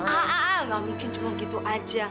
ah ah ah gak mungkin cuma gitu aja